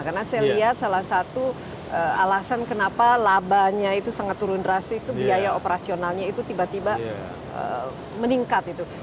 karena saya lihat salah satu alasan kenapa labanya itu sangat turun drastis itu biaya operasionalnya itu tiba tiba meningkat